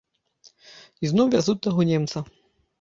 Ізноў вязуць таго немца.